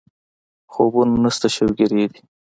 خوبونه نشته شوګېري دي